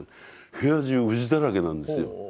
部屋中ウジだらけなんですよ。